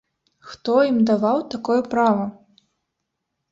Хто ім даваў такое права?